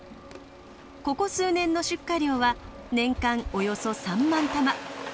ここ数年の出荷量は年間およそ３万玉。